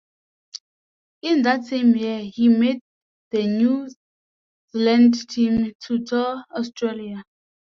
In that same year he made the New Zealand team to tour Australia.